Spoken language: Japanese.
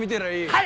はい！